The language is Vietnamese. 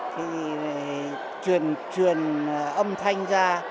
thì truyền âm thanh ra